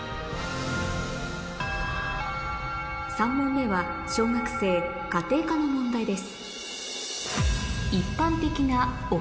３問目は小学生家庭科の問題です